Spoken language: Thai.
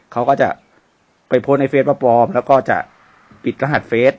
เขาก็จะไปโพสต์ในเฟสว่าปลอมแล้วก็จะปิดรหัสเฟส